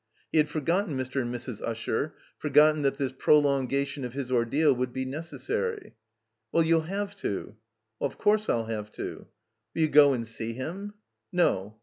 He had forgotten Mr. and Mrs. Usher, forgotten that this prolongation of his ordeal would be neces sary. Well, you'll have to." "Of course I'll have to." *'WiIl you go and see him?" "No.